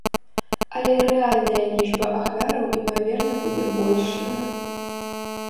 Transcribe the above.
Але рэальная лічба ахвяраў імаверна куды большая.